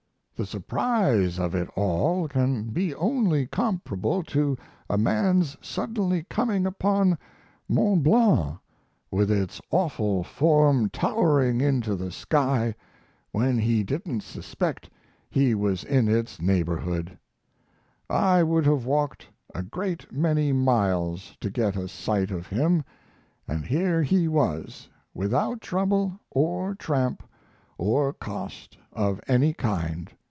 The surprise of it all can be only comparable to a man's suddenly coming upon Mont Blanc, with its awful form towering into the sky, when he didn't suspect he was in its neighborhood. I would have walked a great many miles to get a sight of him, and here he was, without trouble, or tramp, or cost of any kind.